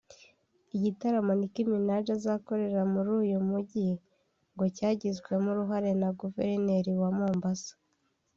Igitaramo Nicki Minaj azakorera muri uyu mujyi ngo cyagizwemo uruhare na Guverineri wa Mombasa